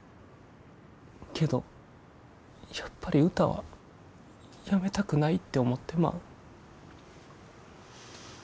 けどやっぱり歌はやめたくないって思ってまう。